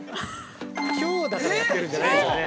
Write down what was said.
◆きょうだから、やってるんじゃないですよね。